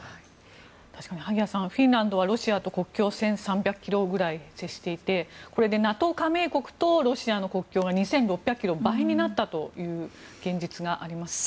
確かに萩谷さんフィンランドはロシアと国境線、１３００ｋｍくらい接していてこれでＮＡＴＯ加盟国とロシアの国境が２６００ｋｍ倍になったという現実があります。